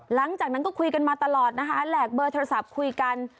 หลังจากนั้นก็คุยกันมาตลอดนะคะแหลกเบอร์โทรศัพท์คุยกัน